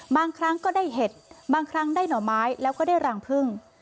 ครั้งก็ได้เห็ดบางครั้งได้หน่อไม้แล้วก็ได้รังพึ่ง